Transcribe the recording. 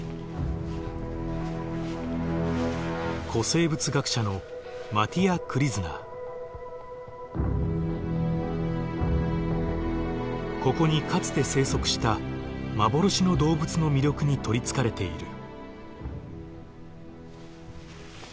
古生物学者のここにかつて生息した幻の動物の魅力に取りつかれている。